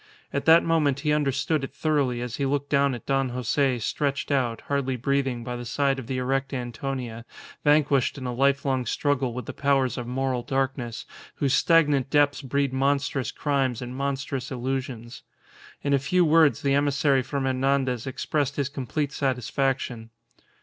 At that moment he understood it thoroughly as he looked down at Don Jose stretched out, hardly breathing, by the side of the erect Antonia, vanquished in a lifelong struggle with the powers of moral darkness, whose stagnant depths breed monstrous crimes and monstrous illusions. In a few words the emissary from Hernandez expressed his complete satisfaction.